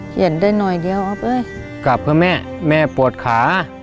เย็นได้หน่อยเดี๋ยวเอาไปกลับเพื่อแม่แม่ปวดขา